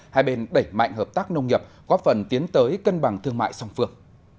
hai bên đẩy mạnh hợp tác nông nghiệp góp phần tiến tới cân bằng thương mại song phương